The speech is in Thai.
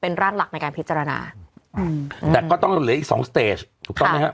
ร่างหลักในการพิจารณาอืมแต่ก็ต้องเหลืออีกสองสเตจถูกต้องไหมฮะ